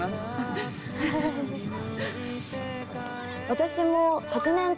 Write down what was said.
私も。